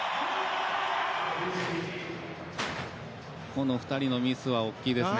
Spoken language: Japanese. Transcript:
この２人のミスは大きいですね。